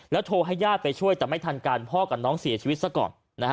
โทรให้ญาติไปช่วยแต่ไม่ทันการพ่อกับน้องเสียชีวิตซะก่อน